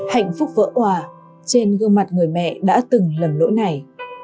hạnh phúc vỡ hòa trên gương mặt người mẹ đã từng lầm lỗi này